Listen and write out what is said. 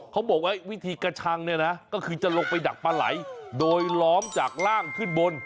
เขาบอกว่าวิธีกระชังเนี่ยนะก็คือจะลงไปดักปลาไหลโดยล้อมจากร่างขึ้นบน